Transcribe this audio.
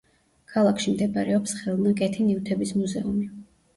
ქალაქში მდებარეობს ხელნაკეთი ნივთების მუზეუმი.